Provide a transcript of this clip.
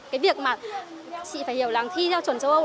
cái việc mà chị phải hiểu là thi theo chuẩn châu âu